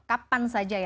kapan saja ya